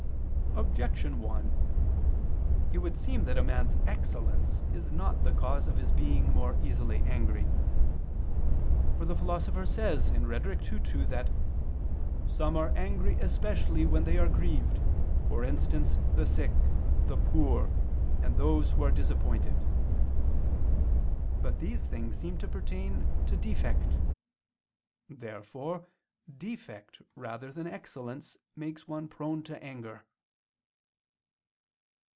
Objection 1: It would seem that a man's excellence is not the cause of his being more easily angry. For the Philosopher says (Rhet. ii, 2) that "some are angry especially when they are grieved, for instance, the sick, the poor, and those who are disappointed." But these things seem to pertain to defect. Therefore defect rather than excellence makes one prone to anger.